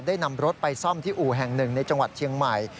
นำรถไปซ่อมที่อู่แห่งหนึ่งในจังหวัดเชียงใหม่